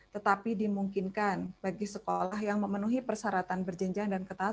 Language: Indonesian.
tetapi dimungkinkan bagi sekolah yang memenuhi persyaratan berjenjang dan ketat